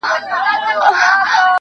همېشه به بېرېدى له جنرالانو-